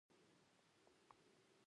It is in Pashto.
زما اندېښنه هم له همدې امله وه.